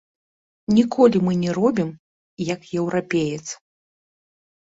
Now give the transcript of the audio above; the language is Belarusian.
Ніколі мы не робім, як еўрапеец.